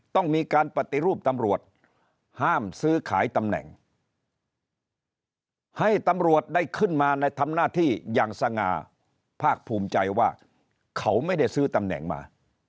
ต้องมีการปฏิรูปตำรวจห้ามซื้อขายตำแหน่งให้ตำรวจได้ขึ้นมาในทำหน้าที่อย่างสง่าภาคภูมิใจว่าเขาไม่ได้ซื้อตำแหน่งมา